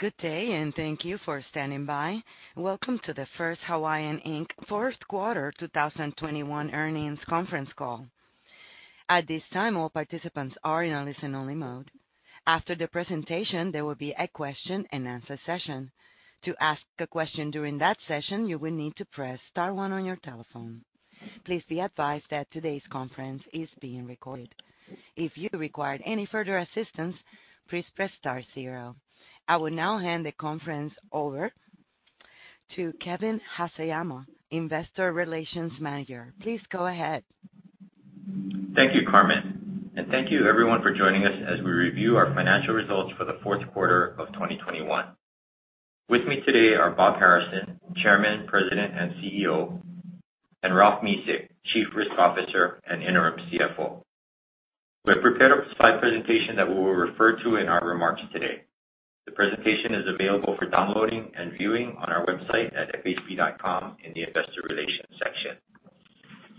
Good day, and thank you for standing by. Welcome to the First Hawaiian, Inc. fourth quarter 2021 earnings conference call. At this time, all participants are in a listen-only mode. After the presentation, there will be a Q&A session. To ask a question during that session, you will need to press star one on your telephone. Please be advised that today's conference is being recorded. If you require any further assistance, please press star zero. I will now hand the conference over to Kevin Haseyama, Investor Relations Manager. Please go ahead. Thank you, Carmen, and thank you everyone for joining us as we review our financial results for the fourth quarter of 2021. With me today are Bob Harrison, Chairman, President and CEO, and Ralph Mesick, Chief Risk Officer and Interim CFO. We have prepared a slide presentation that we will refer to in our remarks today. The presentation is available for downloading and viewing on our website at fhb.com in the investor relations section.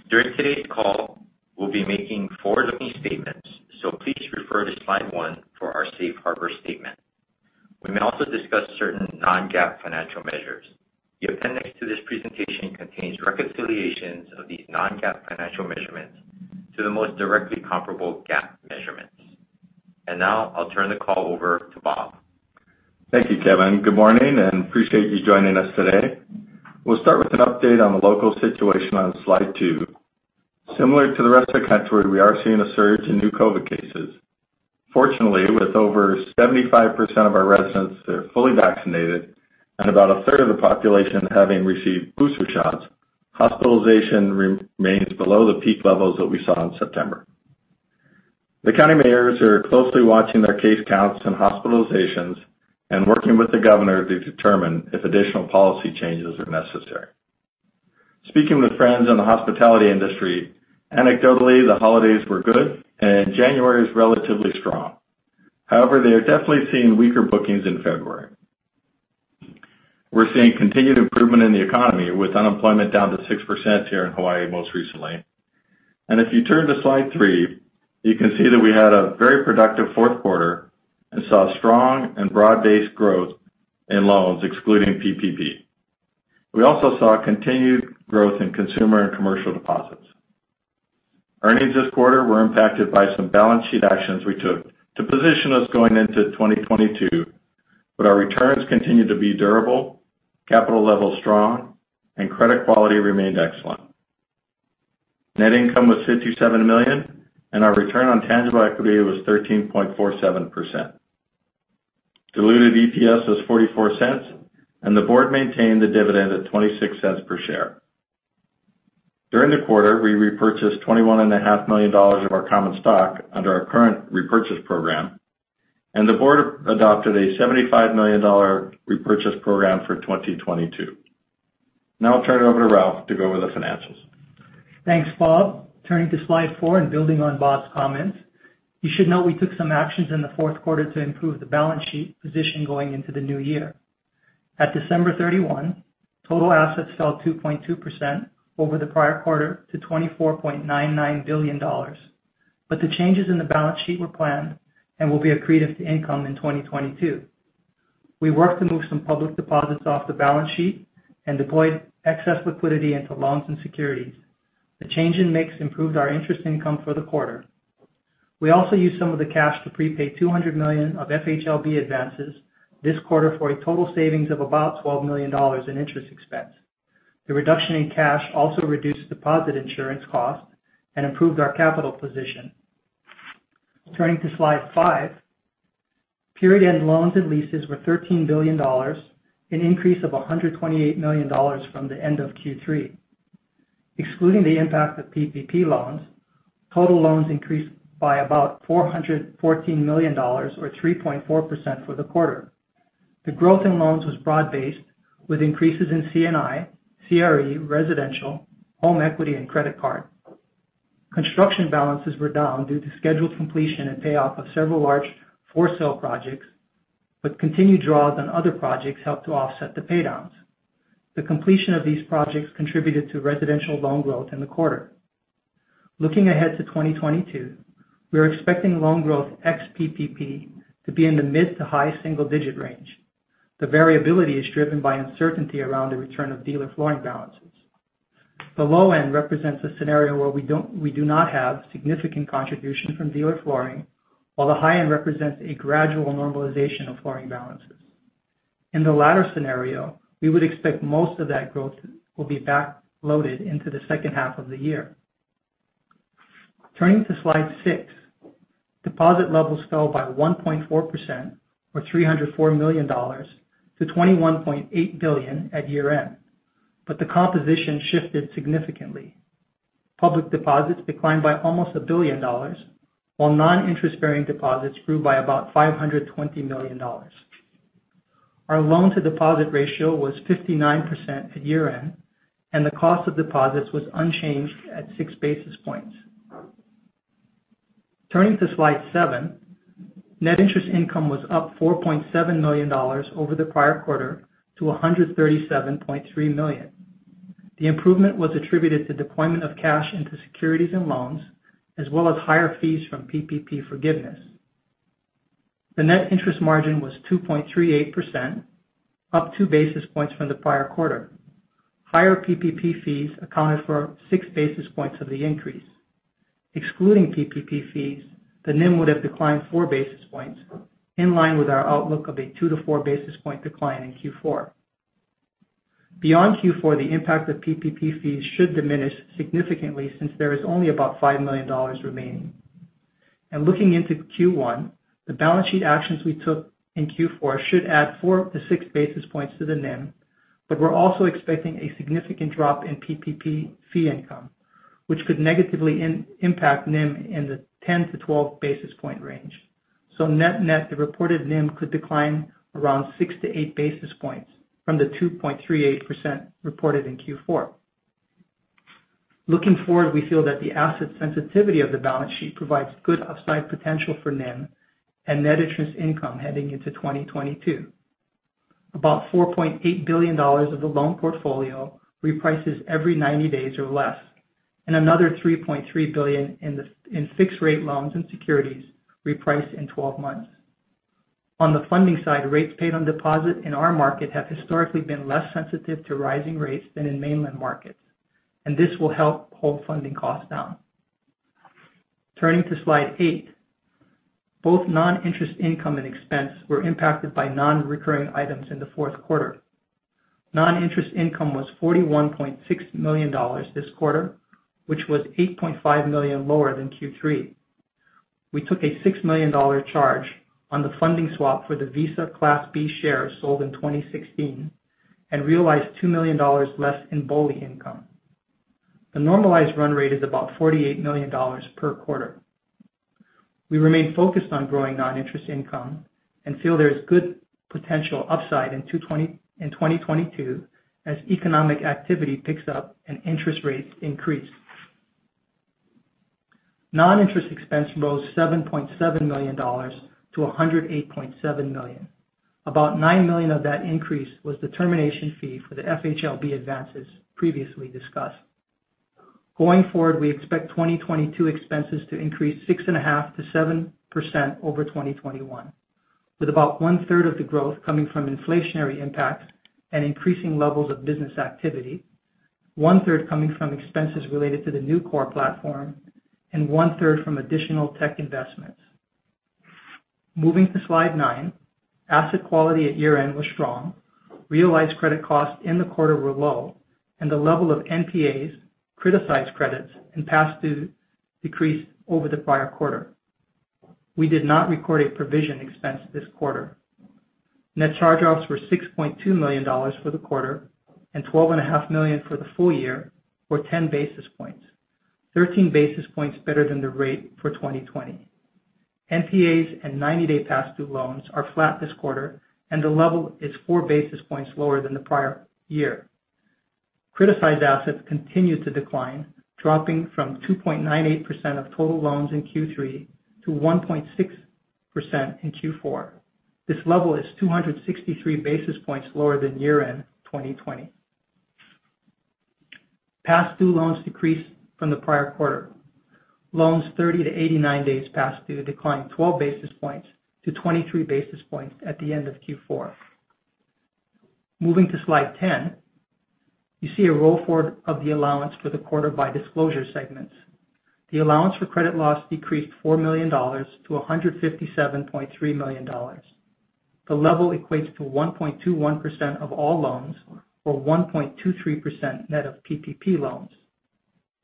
During today's call, we'll be making forward-looking statements, so please refer to slide one for our safe harbor statement. We may also discuss certain non-GAAP financial measures. The appendix to this presentation contains reconciliations of these non-GAAP financial measurements to the most directly comparable GAAP measurements. Now I'll turn the call over to Bob. Thank you, Kevin. Good morning, and we appreciate you joining us today. We'll start with an update on the local situation on slide two. Similar to the rest of the country, we are seeing a surge in new COVID cases. Fortunately, with over 75% of our residents that are fully vaccinated and about a third of the population having received booster shots, hospitalization remains below the peak levels that we saw in September. The county mayors are closely watching their case counts and hospitalizations and working with the governor to determine if additional policy changes are necessary. Speaking with friends in the hospitality industry, anecdotally, the holidays were good and January is relatively strong. However, they are definitely seeing weaker bookings in February. We're seeing continued improvement in the economy, with unemployment down to 6% here in Hawaii most recently. If you turn to slide three, you can see that we had a very productive fourth quarter and saw strong and broad-based growth in loans excluding PPP. We also saw continued growth in consumer and commercial deposits. Earnings this quarter were impacted by some balance sheet actions we took to position us going into 2022, but our returns continue to be durable, capital levels strong, and credit quality remained excellent. Net income was $57 million, and our return on tangible equity was 13.47%. Diluted EPS was $0.44, and the board maintained the dividend at $0.26 per share. During the quarter, we repurchased $21.5 million of our common stock under our current repurchase program, and the board adopted a $75 million repurchase program for 2022. Now I'll turn it over to Ralph to go over the financials. Thanks, Bob. Turning to slide four and building on Bob's comments, you should know we took some actions in the fourth quarter to improve the balance sheet position going into the new year. At December 31, total assets fell 2.2% over the prior quarter to $24.99 billion, but the changes in the balance sheet were planned and will be accretive to income in 2022. We worked to move some public deposits off the balance sheet and deployed excess liquidity into loans and securities. The change in mix improved our interest income for the quarter. We also used some of the cash to prepay $200 million of FHLB advances this quarter for a total savings of about $12 million in interest expense. The reduction in cash also reduced deposit insurance costs and improved our capital position. Turning to slide five, period-end loans and leases were $13 billion, an increase of $128 million from the end of Q3. Excluding the impact of PPP loans, total loans increased by about $414 million or 3.4% for the quarter. The growth in loans was broad-based, with increases in C&I, CRE, residential, home equity and credit card. Construction balances were down due to scheduled completion and payoff of several large for-sale projects, but continued draws on other projects helped to offset the paydowns. The completion of these projects contributed to residential loan growth in the quarter. Looking ahead to 2022, we are expecting loan growth ex PPP to be in the mid to high single digit range. The variability is driven by uncertainty around the return of dealer flooring balances. The low end represents a scenario where we do not have significant contribution from dealer flooring, while the high end represents a gradual normalization of flooring balances. In the latter scenario, we would expect most of that growth will be backloaded into the second half of the year. Turning to slide six, deposit levels fell by 1.4% or $304 million to $21.8 billion at year-end, but the composition shifted significantly. Public deposits declined by almost $1 billion, while non-interest-bearing deposits grew by about $520 million. Our loan-to-deposit ratio was 59% at year-end, and the cost of deposits was unchanged at 6 basis points. Turning to slide seven, net interest income was up $4.7 million over the prior quarter to $137.3 million. The improvement was attributed to deployment of cash into securities and loans, as well as higher fees from PPP forgiveness. The net interest margin was 2.38%, up 2 basis points from the prior quarter. Higher PPP fees accounted for 6 basis points of the increase. Excluding PPP fees, the NIM would have declined 4 basis points, in line with our outlook of a 2-4 basis point decline in Q4. Beyond Q4, the impact of PPP fees should diminish significantly since there is only about $5 million remaining. Looking into Q1, the balance sheet actions we took in Q4 should add 4-6 basis points to the NIM, but we're also expecting a significant drop in PPP fee income, which could negatively impact NIM in the 10-12 basis point range. Net net, the reported NIM could decline around 6-8 basis points from the 2.38% reported in Q4. Looking forward, we feel that the asset sensitivity of the balance sheet provides good upside potential for NIM and net interest income heading into 2022. About $4.8 billion of the loan portfolio reprices every 90 days or less, and another $3.3 billion in fixed rate loans and securities reprice in 12 months. On the funding side, rates paid on deposit in our market have historically been less sensitive to rising rates than in mainland markets, and this will help hold funding costs down. Turning to slide eight. Both non-interest income and expense were impacted by non-recurring items in the fourth quarter. Non-interest income was $41.6 million this quarter, which was $8.5 million lower than Q3. We took a $6 million charge on the funding swap for the Visa Class B shares sold in 2016 and realized $2 million less in BOLI income. The normalized run rate is about $48 million per quarter. We remain focused on growing non-interest income and feel there is good potential upside in 2022 as economic activity picks up and interest rates increase. Non-interest expense rose $7.7 million to $108.7 million. About $9 million of that increase was the termination fee for the FHLB advances previously discussed. Going forward, we expect 2022 expenses to increase 6.5%-7% over 2021, with about one-third of the growth coming from inflationary impacts and increasing levels of business activity, one-third coming from expenses related to the new core platform, and one-third from additional tech investments. Moving to slide nine. Asset quality at year-end was strong. Realized credit costs in the quarter were low, and the level of NPAs, criticized credits and past due decreased over the prior quarter. We did not record a provision expense this quarter. Net charge-offs were $6.2 million for the quarter and $12.5 million for the full year, or 10 basis points, 13 basis points better than the rate for 2020. NPAs and 90-day past due loans are flat this quarter, and the level is 4 basis points lower than the prior year. Criticized assets continued to decline, dropping from 2.98% of total loans in Q3 to 1.6% in Q4. This level is 263 basis points lower than year-end 2020. Past due loans decreased from the prior quarter. Loans 30-89 days past due declined 12 basis points to 23 basis points at the end of Q4. Moving to slide 10. You see a roll forward of the allowance for the quarter by disclosure segments. The allowance for credit loss decreased $4 million to $157.3 million. The level equates to 1.21% of all loans or 1.23% net of PPP loans.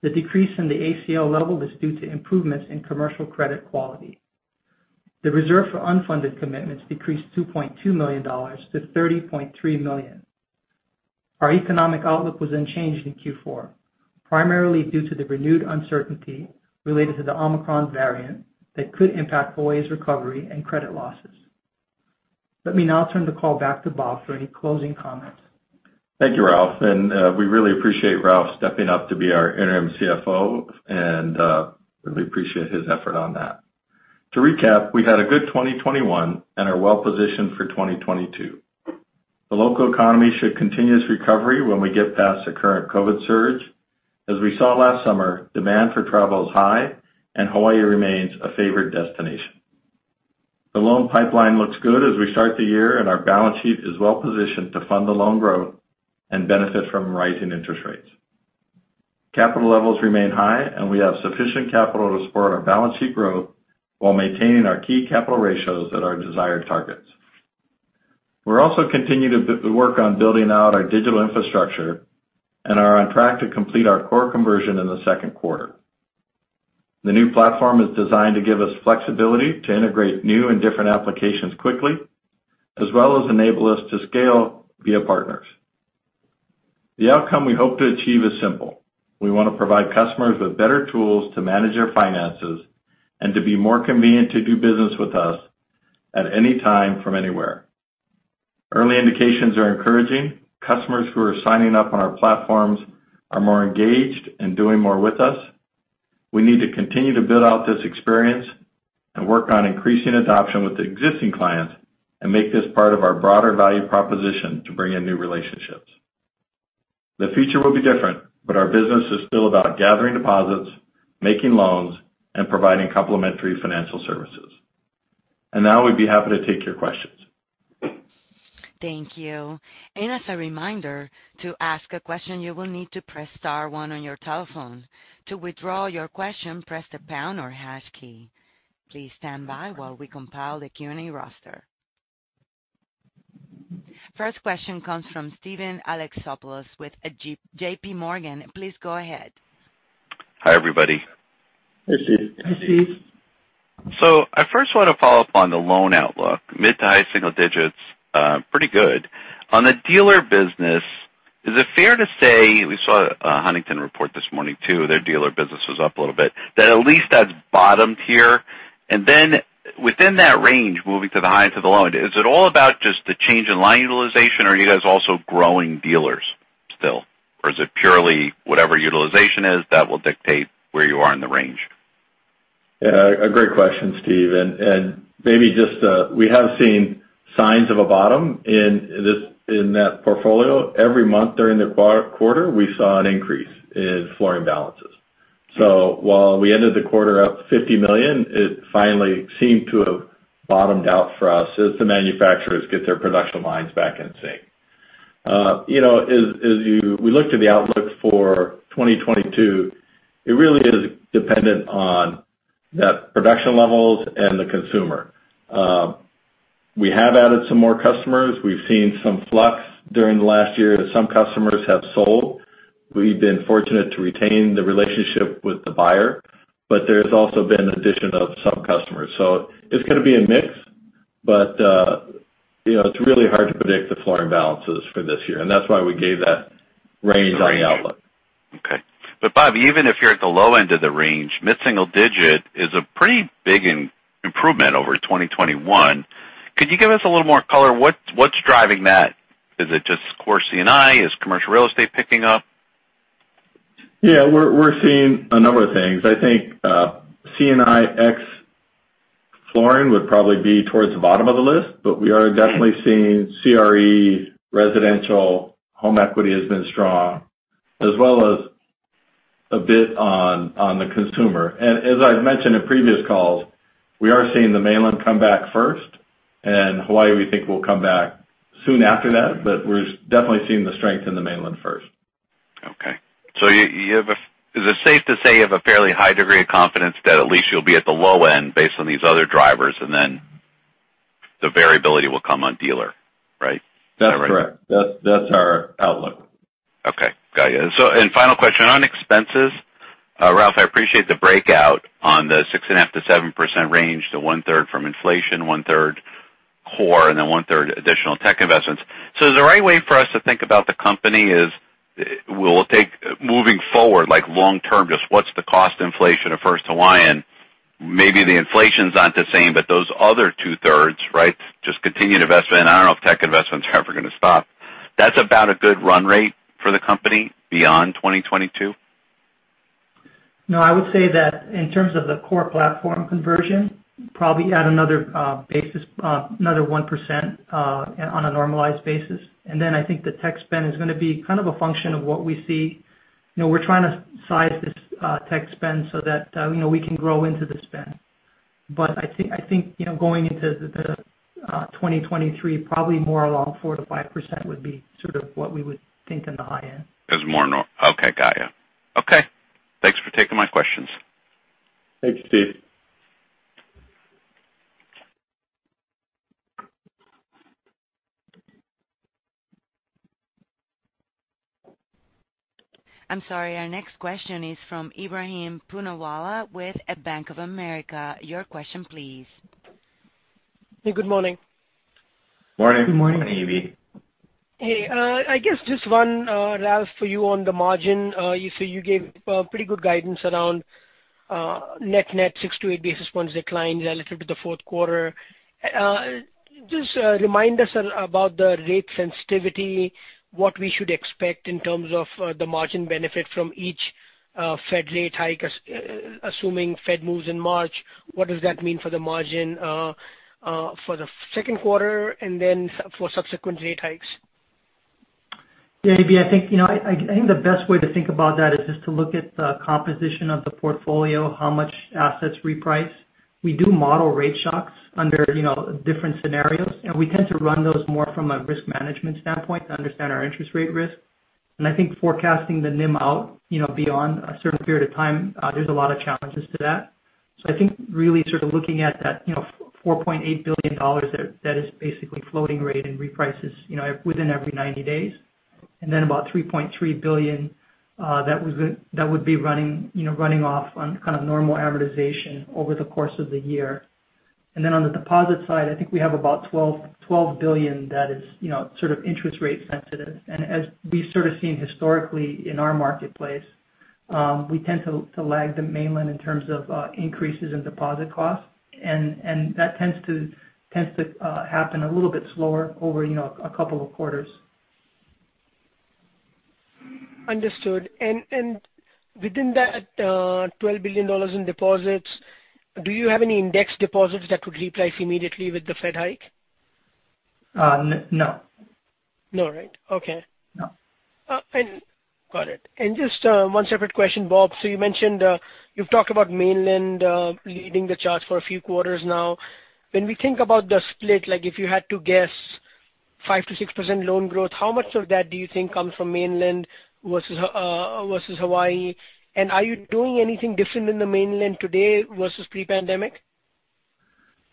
The decrease in the ACL level is due to improvements in commercial credit quality. The reserve for unfunded commitments decreased $2.2 million to $30.3 million. Our economic outlook was unchanged in Q4, primarily due to the renewed uncertainty related to the Omicron variant that could impact Hawaii's recovery and credit losses. Let me now turn the call back to Bob for any closing comments. Thank you, Ralph. We really appreciate Ralph stepping up to be our interim CFO, and really appreciate his effort on that. To recap, we had a good 2021 and are well positioned for 2022. The local economy should continue its recovery when we get past the current COVID surge. As we saw last summer, demand for travel is high and Hawaii remains a favorite destination. The loan pipeline looks good as we start the year and our balance sheet is well positioned to fund the loan growth and benefit from rising interest rates. Capital levels remain high and we have sufficient capital to support our balance sheet growth while maintaining our key capital ratios at our desired targets. We're also continuing to work on building out our digital infrastructure and are on track to complete our core conversion in the second quarter. The new platform is designed to give us flexibility to integrate new and different applications quickly, as well as enable us to scale via partners. The outcome we hope to achieve is simple. We want to provide customers with better tools to manage their finances and to be more convenient to do business with us at any time from anywhere. Early indications are encouraging. Customers who are signing up on our platforms are more engaged and doing more with us. We need to continue to build out this experience and work on increasing adoption with existing clients and make this part of our broader value proposition to bring in new relationships. The future will be different, but our business is still about gathering deposits, making loans, and providing complementary financial services. Now we'd be happy to take your questions. Thank you. As a reminder, to ask a question, you will need to press star one on your telephone. To withdraw your question, press the pound or hash key. Please stand by while we compile the Q&A roster. First question comes from Steven Alexopoulos with JPMorgan. Please go ahead. Hi, everybody. Hi, Steven. I first want to follow up on the loan outlook. Mid to high single digits, pretty good. On the dealer business, is it fair to say we saw, Huntington report this morning too, their dealer business was up a little bit, that at least that's bottomed here? Then within that range, moving to the high to the low end, is it all about just the change in line utilization, or are you guys also growing dealers still? Or is it purely whatever utilization is that will dictate where you are in the range? Yeah, a great question, Steve. Maybe just, we have seen signs of a bottom in that portfolio. Every month during the quarter, we saw an increase in flooring balances. While we ended the quarter up $50 million, it finally seemed to have bottomed out for us as the manufacturers get their production lines back in sync. You know, we look to the outlook for 2022, it really is dependent on the production levels and the consumer. We have added some more customers. We've seen some flux during the last year that some customers have sold. We've been fortunate to retain the relationship with the buyer, but there's also been addition of some customers. It's going to be a mix. You know, it's really hard to predict the funding balances for this year, and that's why we gave that range on the outlook. Okay. Bob, even if you're at the low end of the range, mid-single digit is a pretty big improvement over 2021. Could you give us a little more color? What's driving that? Is it just core C&I? Is commercial real estate picking up? Yeah. We're seeing a number of things. I think, C&I ex flooring would probably be towards the bottom of the list, but we are definitely seeing CRE, residential, home equity has been strong as well as a bit on the consumer. As I've mentioned in previous calls, we are seeing the mainland come back first and Hawaii we think will come back soon after that, but we're definitely seeing the strength in the mainland first. Okay. Is it safe to say you have a fairly high degree of confidence that at least you'll be at the low end based on these other drivers and then the variability will come on dealer, right? That's correct. That's our outlook. Okay. Got you. Final question on expenses. Ralph, I appreciate the breakout on the 6.5%-7% range to one-third from inflation, one-third core, and then one-third additional tech investments. Is the right way for us to think about the company we'll take moving forward, like long term, just what's the cost inflation of First Hawaiian? Maybe the inflation's not the same, but those other two-thirds, right, just continued investment. I don't know if tech investments are ever going to stop. That's about a good run rate for the company beyond 2022? No, I would say that in terms of the core platform conversion, probably add another one percent on a normalized basis. Then I think the tech spend is going to be kind of a function of what we see. You know, we're trying to size this tech spend so that you know, we can grow into the spend. I think you know, going into the 2023, probably more along 4%-5% would be sort of what we would think in the high end. Okay. Got you. Okay. Thanks for taking my questions. Thanks, Steven. I'm sorry. Our next question is from Ebrahim Poonawala with Bank of America. Your question, please. Good morning. Morning. Good morning. Morning, EB. Hey, I guess just one, Ralph, for you on the margin. You said you gave pretty good guidance around net 6-8 basis points decline relative to the fourth quarter. Just remind us about the rate sensitivity, what we should expect in terms of the margin benefit from each Fed rate hike, assuming Fed moves in March. What does that mean for the margin for the second quarter and then for subsequent rate hikes? Yeah. Ibrahim, I think you know the best way to think about that is just to look at the composition of the portfolio, how much assets reprice. We do model rate shocks under you know different scenarios, and we tend to run those more from a risk management standpoint to understand our interest rate risk. I think forecasting the NIM out you know beyond a certain period of time there's a lot of challenges to that. So I think really sort of looking at that you know $4.8 billion that is basically floating rate and reprices you know within every 90 days. Then about $3.3 billion that would be running off on kind of normal amortization over the course of the year. On the deposit side, I think we have about $12 billion that is, you know, sort of interest rate sensitive. As we've sort of seen historically in our marketplace, we tend to lag the mainland in terms of increases in deposit costs. That tends to happen a little bit slower over, you know, a couple of quarters. Understood. Within that, $12 billion in deposits, do you have any index deposits that would reprice immediately with the Fed hike? No. No, right. Okay. No. Got it. Just one separate question, Bob. You mentioned you've talked about mainland leading the charts for a few quarters now. When we think about the split, like if you had to guess 5%-6% loan growth, how much of that do you think comes from mainland versus Hawaii? Are you doing anything different in the mainland today versus pre-pandemic?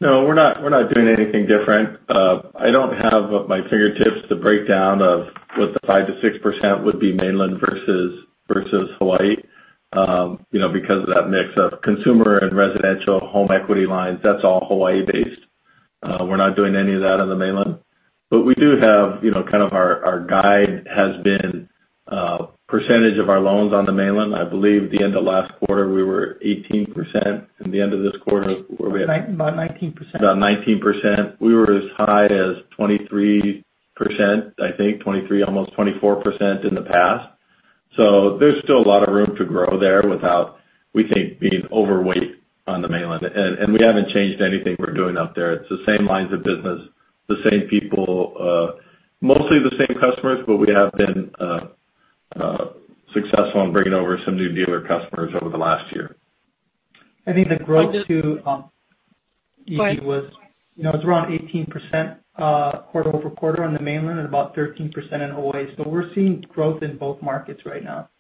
No, we're not doing anything different. I don't have at my fingertips the breakdown of what the 5%-6% would be mainland versus Hawaii, because of that mix of consumer and residential home equity lines. That's all Hawaii based. We're not doing any of that on the mainland. We do have kind of our guide has been percentage of our loans on the mainland. I believe at the end of last quarter we were 18%. In the end of this quarter we're. About 19%. About 19%. We were as high as 23%, I think, almost 24% in the past. There's still a lot of room to grow there without, we think, being overweight on the mainland. We haven't changed anything we're doing out there. It's the same lines of business, the same people, mostly the same customers. We have been successful in bringing over some new dealer customers over the last year. I think the growth to. Go ahead. EB was, you know, it's around 18% quarter-over-quarter on the mainland and about 13% in Hawaii. We're seeing growth in both markets right now.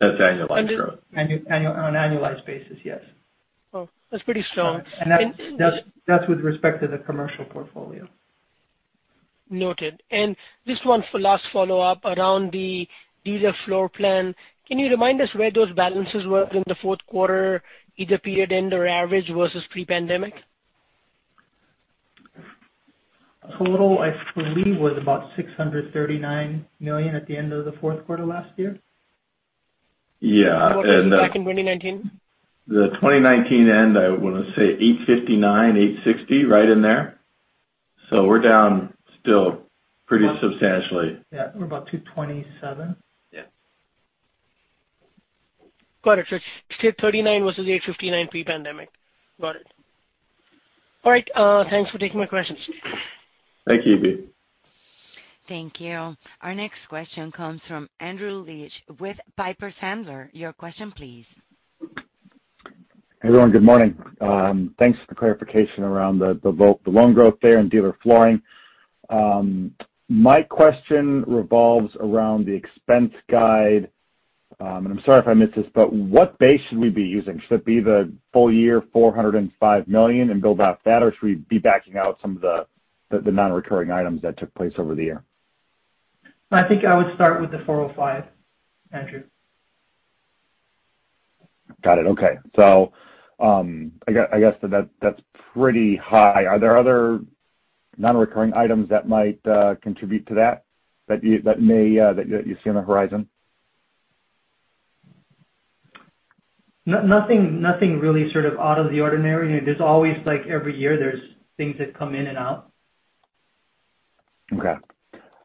That's annualized growth. On an annualized basis, yes. Oh, that's pretty strong. That's with respect to the commercial portfolio. Noted. Just one last follow-up around the dealer floor plan. Can you remind us where those balances were in the fourth quarter, either period end or average versus pre-pandemic? Total, I believe, was about $639 million at the end of the fourth quarter last year. Yeah. Back in 2019? The 2019 end, I wanna say 859, 860, right in there. We're down still pretty substantially. Yeah, we're about 2:27. Yeah. Got it. It's 639 versus 859 pre-pandemic. Got it. All right, thanks for taking my questions. Thank you, EB. Thank you. Our next question comes from Andrew Liesch with Piper Sandler. Your question please. Hey, everyone. Good morning. Thanks for the clarification around the loan growth there and dealer flooring. My question revolves around the expense guide. I'm sorry if I missed this, but what base should we be using? Should it be the full year $405 million and build out that, or should we be backing out some of the non-recurring items that took place over the year? I think I would start with the 405, Andrew. Got it. Okay. I guess that's pretty high. Are there other non-recurring items that might contribute to that that you may see on the horizon? Nothing really sort of out of the ordinary. There's always like every year there's things that come in and out. Okay.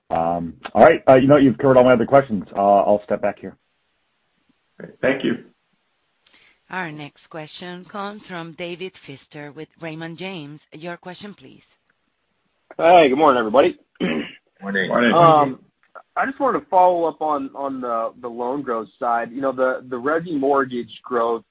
All right. You know, you've covered all my other questions. I'll step back here. Great. Thank you. Our next question comes from David Feaster with Raymond James. Your question please. Hi, good morning, everybody. Morning. I just wanted to follow up on the loan growth side. You know, the resi mortgage growth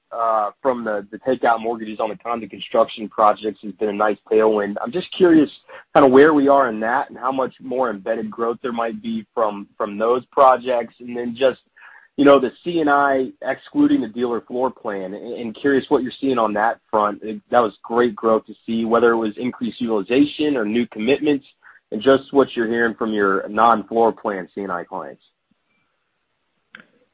from the takeout mortgages on the condo construction projects has been a nice tailwind. I'm just curious kind of where we are in that and how much more embedded growth there might be from those projects. Then just, you know, the C&I excluding the dealer floor plan and curious what you're seeing on that front. That was great growth to see whether it was increased utilization or new commitments and just what you're hearing from your non-floor plan C&I clients.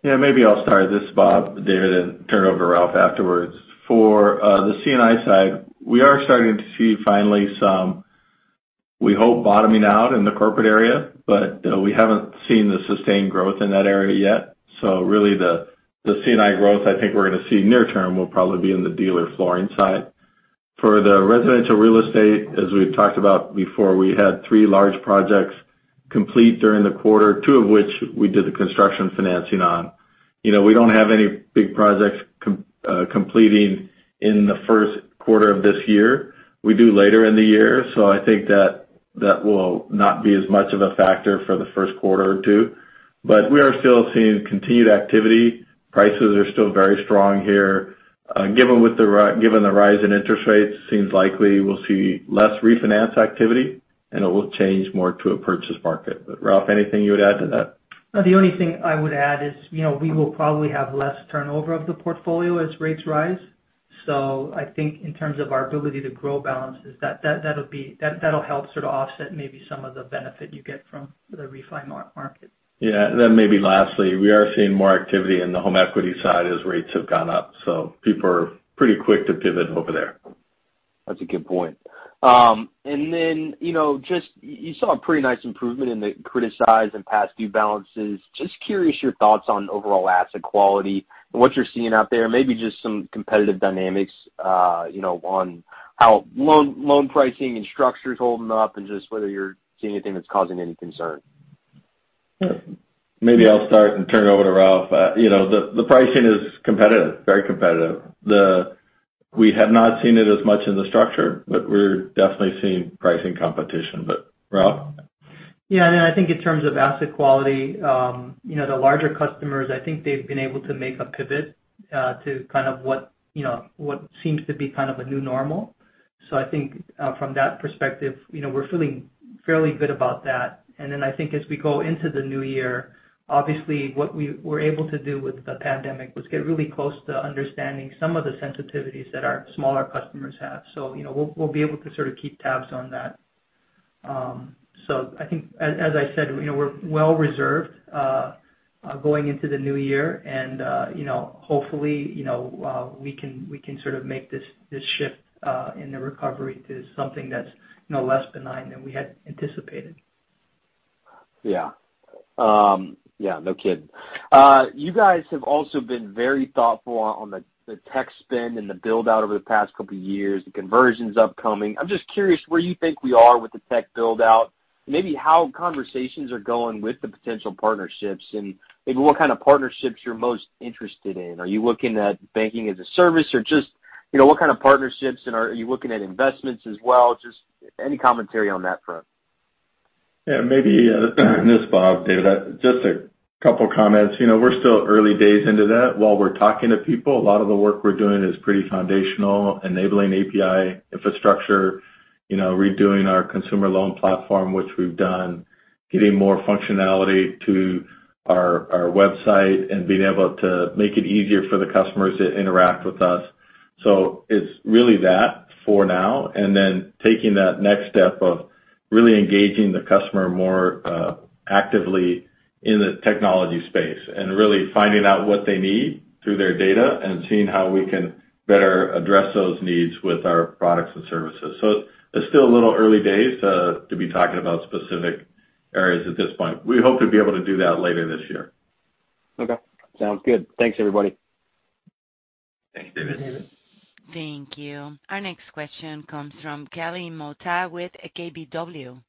Yeah, maybe I'll start this, Bob, David, and turn it over to Ralph afterwards. For the C&I side, we are starting to see finally some, we hope, bottoming out in the corporate area, but we haven't seen the sustained growth in that area yet. Really the C&I growth I think we're gonna see near term will probably be in the dealer flooring side. For the residential real estate, as we've talked about before, we had three large projects complete during the quarter, two of which we did the construction financing on. You know, we don't have any big projects completing in the first quarter of this year. We do later in the year, so I think that will not be as much of a factor for the first quarter or two. We are still seeing continued activity. Prices are still very strong here. Given the rise in interest rates, it seems likely we'll see less refinance activity and it will change more to a purchase market. Ralph, anything you would add to that? No, the only thing I would add is, you know, we will probably have less turnover of the portfolio as rates rise. I think in terms of our ability to grow balances, that'll help sort of offset maybe some of the benefit you get from the refi market. Yeah. Maybe lastly, we are seeing more activity in the home equity side as rates have gone up. People are pretty quick to pivot over there. That's a good point. You know, as you saw a pretty nice improvement in the criticized and past due balances. I'm just curious about your thoughts on overall asset quality and what you're seeing out there. Maybe just some competitive dynamics, you know, on how loan pricing and structure is holding up and just whether you're seeing anything that's causing any concern. Maybe I'll start and turn it over to Ralph. You know, the pricing is competitive, very competitive. Though we have not seen it as much in the structure, but we're definitely seeing pricing competition. Ralph? Yeah, no. I think in terms of asset quality, you know, the larger customers, I think they've been able to make a pivot to kind of what, you know, what seems to be kind of a new normal. I think from that perspective, you know, we're feeling fairly good about that. Then I think as we go into the new year, obviously, what we were able to do with the pandemic was get really close to understanding some of the sensitivities that our smaller customers have. You know, we'll be able to sort of keep tabs on that. I think as I said, you know, we're well reserved going into the new year and you know hopefully you know we can sort of make this shift in the recovery to something that's you know less benign than we had anticipated. Yeah. Yeah, no kidding. You guys have also been very thoughtful on the tech spend and the build-out over the past couple of years, the conversions upcoming. I'm just curious where you think we are with the tech build-out and maybe how conversations are going with the potential partnerships, and maybe what kind of partnerships you're most interested in. Are you looking at banking as a service? Or just, you know, what kind of partnerships, and are you looking at investments as well? Just any commentary on that front. Yeah, maybe, this is Bob, David. Just a couple of comments. You know, we're still early days into that. While we're talking to people, a lot of the work we're doing is pretty foundational, enabling API infrastructure, you know, redoing our consumer loan platform, which we've done, getting more functionality to our website and being able to make it easier for the customers to interact with us. It's really that for now, and then taking that next step of really engaging the customer more actively in the technology space and really finding out what they need through their data and seeing how we can better address those needs with our products and services. It's still a little early days to be talking about specific areas at this point. We hope to be able to do that later this year. Okay. Sounds good. Thanks, everybody. Thanks, David. Thanks, David. Thank you. Our next question comes from Kelly Motta with KBW.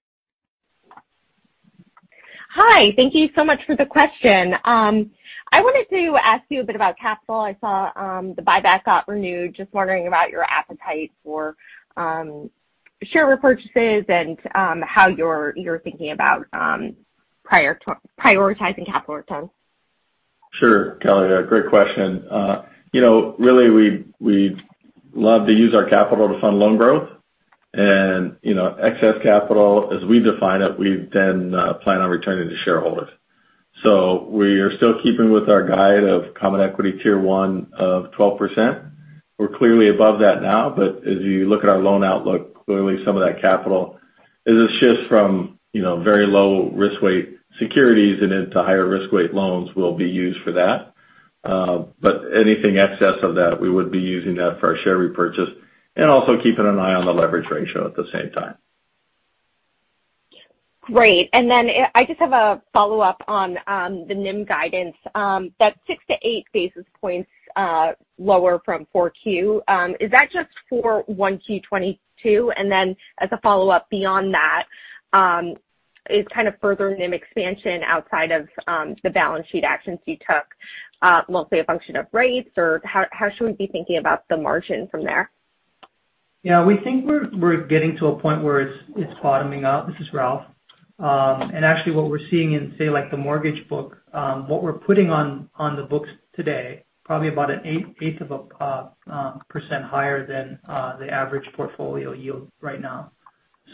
Hi. Thank you so much for the question. I wanted to ask you a bit about capital. I saw the buyback got renewed. Just wondering about your appetite for share repurchases and how you're thinking about prioritizing capital return. Sure, Kelly. Great question. You know, really, we love to use our capital to fund loan growth and, you know, excess capital, as we define it, we then plan on returning to shareholders. We are still keeping with our guide of Common Equity Tier 1 of 12%. We're clearly above that now, but as you look at our loan outlook, clearly some of that capital is a shift from, you know, very low risk weight securities and into higher risk weight loans will be used for that. Anything excess of that, we would be using that for our share repurchase and also keeping an eye on the leverage ratio at the same time. Great. Then I just have a follow-up on the NIM guidance. That 6-8 basis points lower from 4Q. Is that just for 1Q 2022? Then as a follow-up beyond that, is kind of further NIM expansion outside of the balance sheet actions you took mostly a function of rates, or how should we be thinking about the margin from there? Yeah. We think we're getting to a point where it's bottoming out. This is Ralph. Actually what we're seeing in say like the mortgage book, what we're putting on the books today, probably about 0.125% higher than the average portfolio yield right now.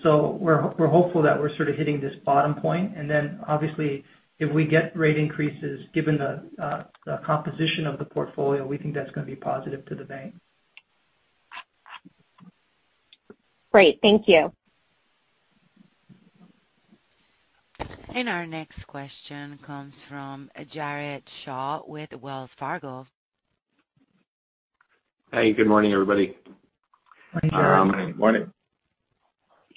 We're hopeful that we're sort of hitting this bottom point. Then obviously if we get rate increases, given the composition of the portfolio, we think that's gonna be positive to the bank. Great. Thank you. Our next question comes from Jared Shaw with Wells Fargo. Hey, good morning, everybody. Good morning. Morning.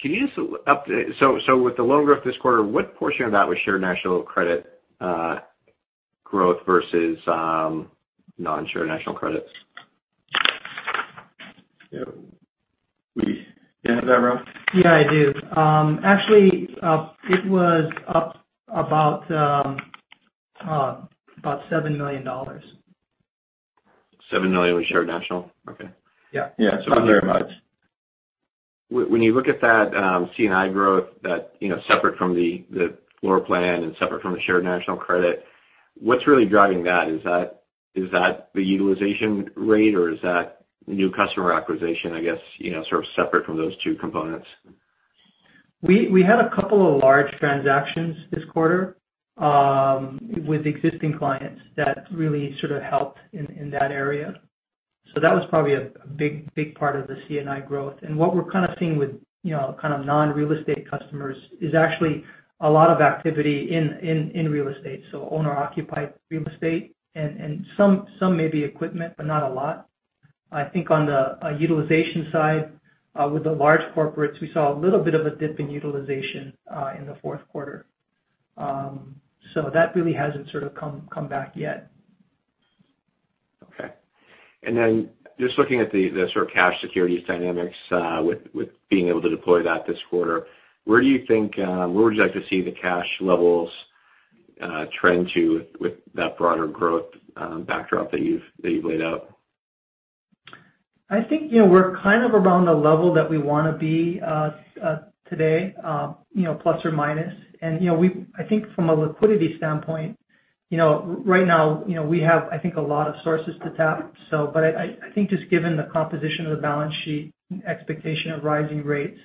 With the loan growth this quarter, what portion of that was Shared National Credit growth versus non-Shared National Credits? Yeah. Do you have that, Ralph? Yeah, I do. Actually, it was up about $7 million. $7 million was Shared National? Okay. Yeah. Yeah. When you look at that, C&I growth that, you know, separate from the floor plan and separate from the Shared National Credit, what's really driving that? Is that the utilization rate, or is that new customer acquisition, I guess, you know, sort of separate from those two components? We had a couple of large transactions this quarter with existing clients that really sort of helped in that area. That was probably a big part of the C&I growth. What we're kind of seeing with you know kind of non-real estate customers is actually a lot of activity in real estate, so owner-occupied real estate and some may be equipment, but not a lot. I think on the utilization side with the large corporates, we saw a little bit of a dip in utilization in the fourth quarter. That really hasn't sort of come back yet. Just looking at the sort of cash securities dynamics with being able to deploy that this quarter, where would you like to see the cash levels trend to with that broader growth backdrop that you've laid out? I think, you know, we're kind of around the level that we wanna be today, plus or minus. I think from a liquidity standpoint, you know, right now, you know, we have, I think, a lot of sources to tap. I think just given the composition of the balance sheet, expectation of rising rates,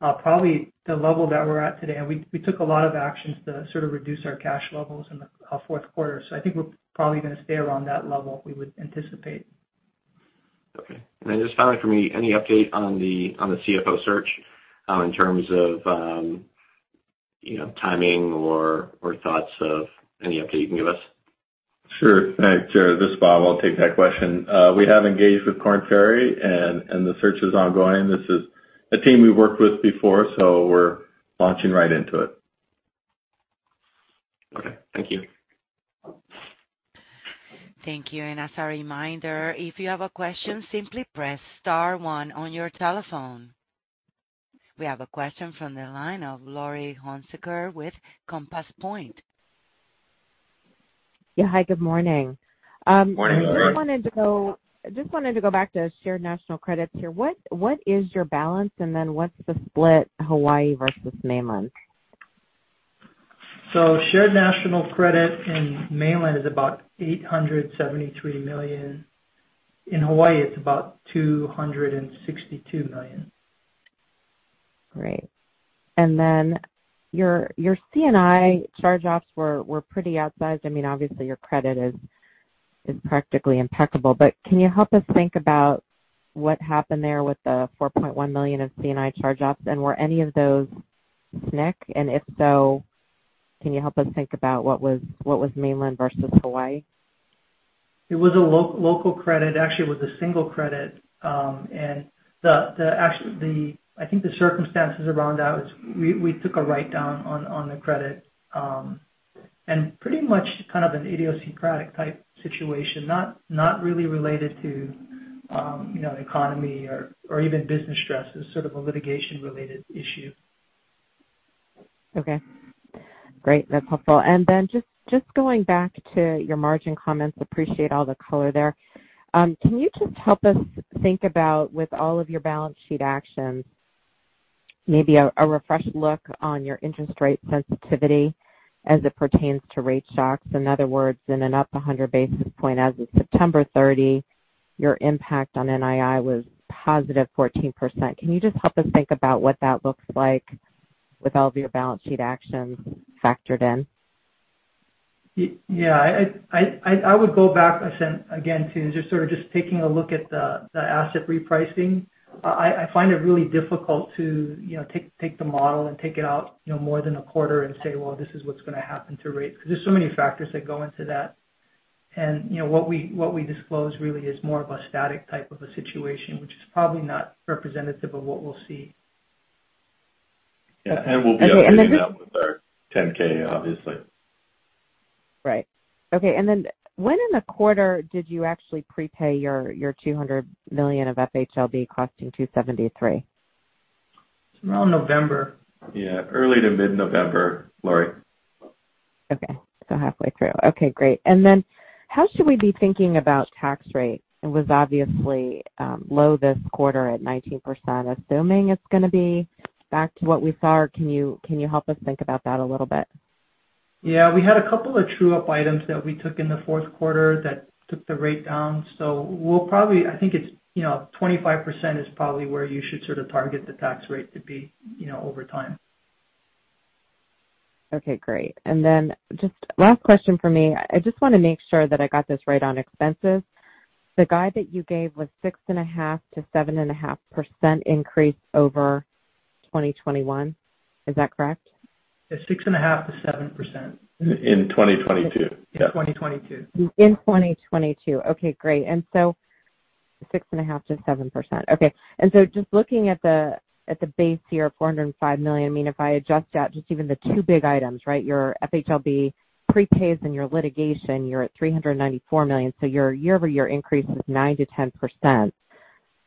probably the level that we're at today. We took a lot of actions to sort of reduce our cash levels in the fourth quarter. I think we're probably gonna stay around that level, we would anticipate. Okay. Just finally for me, any update on the CFO search, in terms of you know, timing or thoughts of any update you can give us? Sure. Thanks, Jared. This is Bob. I'll take that question. We have engaged with Korn Ferry, and the search is ongoing. This is a team we've worked with before, so we're launching right into it. Okay, thank you. Thank you. As a reminder, if you have a question, simply press star one on your telephone. We have a question from the line of Laurie Hunsicker with Compass Point. Yeah, hi, good morning. Good morning, Laurie. I just wanted to go back to Shared National Credit here. What is your balance? And then what's the split Hawaii versus mainland? Shared National Credit in mainland is about $873 million. In Hawaii, it's about $262 million. Great. Your C&I charge offs were pretty outsized. I mean, obviously your credit is practically impeccable. Can you help us think about what happened there with the $4.1 million of C&I charge offs? Were any of those SNC? If so, can you help us think about what was mainland versus Hawaii? It was a local credit. Actually, it was a single credit. I think the circumstances around that is we took a write-down on the credit, and pretty much kind of an idiosyncratic type situation, not really related to, you know, economy or even business stress. It's sort of a litigation-related issue. Okay. Great. That's helpful. Then just going back to your margin comments, appreciate all the color there. Can you just help us think about, with all of your balance sheet actions, maybe a refreshed look on your interest rate sensitivity as it pertains to rate shocks? In other words, in an up 100 basis point as of September 30, your impact on NII was positive 14%. Can you just help us think about what that looks like with all of your balance sheet actions factored in? Yeah. I would go back. I said again to just sort of taking a look at the asset repricing. I find it really difficult to, you know, take the model and take it out, you know, more than a quarter and say, "Well, this is what's gonna happen to rates." Because there's so many factors that go into that. You know, what we disclose really is more of a static type of a situation, which is probably not representative of what we'll see. Yeah. We'll be updating that with our 10-K, obviously. Right. Okay. When in the quarter did you actually prepay your $200 million of FHLB costing 2.73%? Around November. Yeah. Early to mid-November, Laurie. Okay. Halfway through. Okay, great. Then how should we be thinking about tax rates? It was obviously low this quarter at 19%. Assuming it's gonna be back to what we saw, can you help us think about that a little bit? Yeah. We had a couple of true-up items that we took in the fourth quarter that took the rate down. We'll probably, I think it's, you know, 25% is probably where you should sort of target the tax rate to be, you know, over time. Okay, great. Just last question for me. I just wanna make sure that I got this right on expenses. The guide that you gave was 6.5%-7.5% increase over 2021. Is that correct? It's 6.5%-7%. In 2022. In 2022. In 2022. Great. 6.5%-7%. Just looking at the base here, $405 million. I mean, if I adjust out just even the two big items, right, your FHLB prepays and your litigation, you're at $394 million. Your year-over-year increase is 9%-10%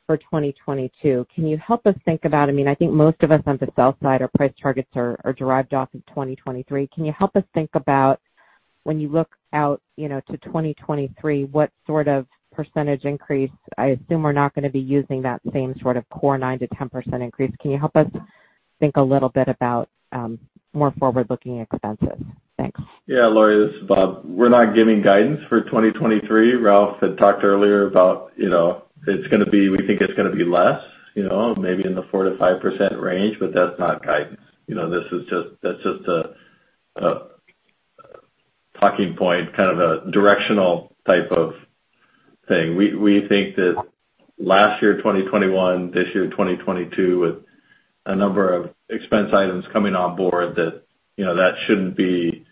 for 2022. Can you help us think about it? I mean, I think most of us on the sell side, our price targets are derived off of 2023. Can you help us think about when you look out, you know, to 2023, what sort of percentage increase? I assume we're not gonna be using that same sort of core 9%-10% increase. Can you help us think a little bit about more forward-looking expenses? Thanks. Yeah. Laurie, this is Bob. We're not giving guidance for 2023. Ralph had talked earlier about, you know, it's gonna be, we think it's gonna be less, you know, maybe in the 4%-5% range, but that's not guidance. You know, this is just, that's just a talking point, kind of a directional type of thing. We think that last year, 2021, this year, 2022, with a number of expense items coming on board that, you know, that shouldn't be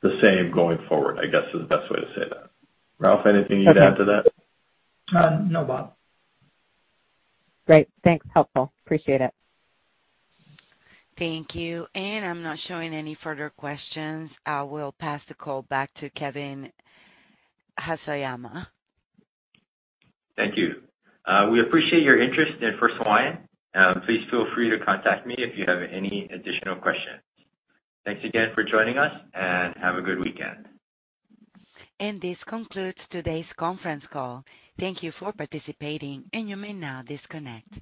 the same going forward, I guess, is the best way to say that. Ralph, anything you'd add to that? No, Bob. Great. Thanks. Helpful. Appreciate it. Thank you. I'm not showing any further questions. I will pass the call back to Kevin Haseyama. Thank you. We appreciate your interest in First Hawaiian. Please feel free to contact me if you have any additional questions. Thanks again for joining us, and have a good weekend. This concludes today's conference call. Thank you for participating, and you may now disconnect.